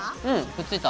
くっついた！